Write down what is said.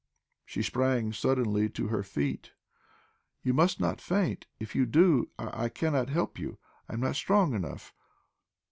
She sprang suddenly to her feet. "You must not faint. If you do, I I cannot help you; I am not strong enough."